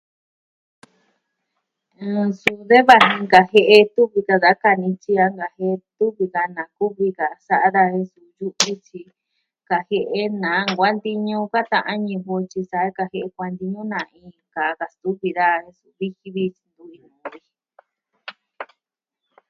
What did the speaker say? Suu de vaji kajie'e tuvi da kaa nityi ya'a nkajie'e tuvi ka nakuvi ka sa'a daja. Kajie'e na kuantiñu ka ta'an ñivɨ o tyi sa'a kajie'e kuantiñu na kaa ka xituvi daja viji vi.